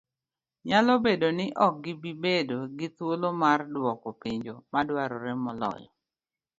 Nyalo bedo ni ok gibi bedo gi thuolo mardwoko penjo madwarore moloyo.